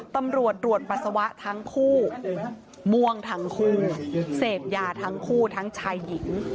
ตำรวจตรวจปัสสาวะทั้งคู่ม่วงทั้งคู่เสพยาทั้งคู่ทั้งชายหญิง